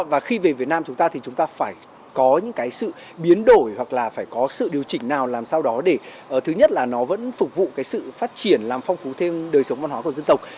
và khi về việt nam chúng ta thì chúng ta phải có những cái sự biến đổi hoặc là phải có sự điều chỉnh nào làm sao đó để thứ nhất là nó vẫn phục vụ cái sự phát triển làm phong phú thêm đời sống văn hóa của dân tộc